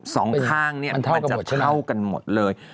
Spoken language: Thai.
สองข้างเนี่ยมันจะเท่ากันหมดเลย